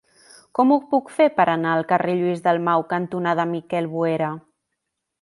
Com ho puc fer per anar al carrer Lluís Dalmau cantonada Miquel Boera?